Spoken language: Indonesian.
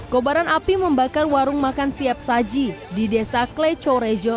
kobaran api membakar warung makan siap saji di desa klecorejo